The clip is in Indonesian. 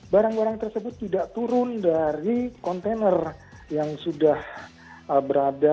barang barang tersebut tidak turun dari kontainer yang sudah berada